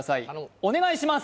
お願いします